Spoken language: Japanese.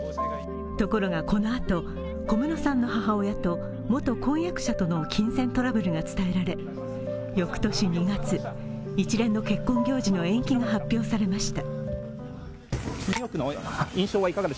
ところがこのあと、小室さんの母親と元婚約者との金銭トラブルが伝えられ翌年２月、一連の結婚行事の延期が発表されました。